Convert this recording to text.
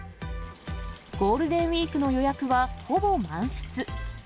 ゴールデンウィークの予約はほぼ満室。